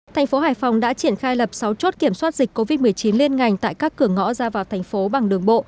thành phố hải phòng đã triển khai lập sáu chốt kiểm soát dịch covid một mươi chín liên ngành tại các cửa ngõ ra vào thành phố bằng đường bộ